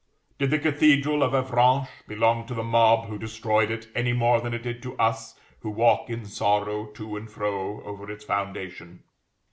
Did the cathedral of Avranches belong to the mob who destroyed it, any more than it did to us, who walk in sorrow to and fro over its foundation?